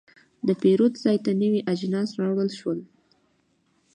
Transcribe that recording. د پیرود ځای ته نوي اجناس راوړل شول.